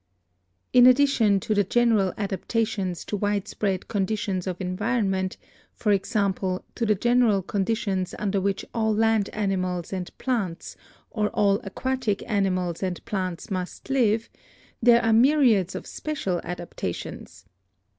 In addition to the general adaptations to widespread conditions of environment — e.g., to the general conditions under which all land animals and plants or all aquatic ani mals and plants must live — there are myriads of special adaptations.